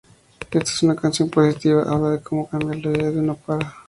Esta es una canción positiva, habla de como cambiar la vida de uno para.